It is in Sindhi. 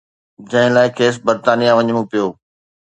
جنهن لاءِ کيس برطانيه وڃڻو پيو